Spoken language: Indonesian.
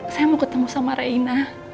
saya mau ketemu sama raina